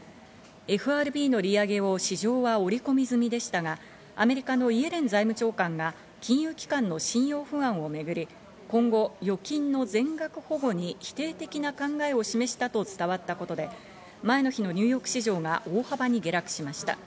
ＦＲＢの利上げを市場は織り込み済みでしたが、アメリカのイエレン財務長官が金融機関の信用不安をめぐり、今後、預金の全額保護に否定的な考えを示したと伝わったことで前の日のニューヨーク市場が大幅に下落しました。